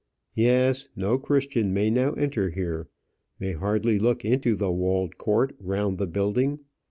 Yes; no Christian may now enter here, may hardly look into the walled court round the building.